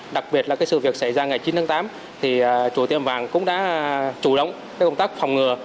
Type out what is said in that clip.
đặc biệt là sự việc xảy ra ngày chín tháng tám thì chủ tiệm vàng cũng đã chủ động công tác phòng ngừa